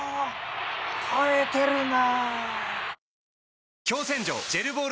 耐えてるな！